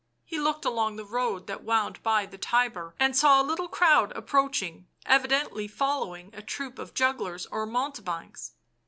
He looked along the road that wound by the Tiber and saw a little crowd approaching, evidently following a troupe of jugglers or mounte banks.